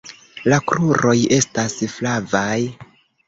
La kruroj estas flavaj.